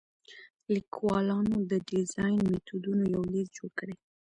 لیکوالانو د ډیزاین میتودونو یو لیست جوړ کړی.